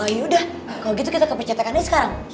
yaudah kalo gitu kita ke pencetakannya sekarang